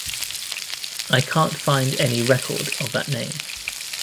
I can’t find any record of that name.